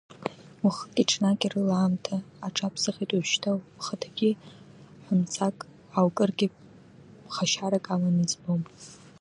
Уахыки-ҽнаки рыла аамҭа аҽаԥсахит, уажәшьҭа ухаҭагьы ҳәымсагк ааукыргьы ԥхашьарак аманы избом!